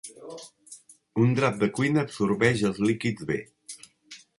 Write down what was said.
Un drap de cuina absorbeix els líquids bé.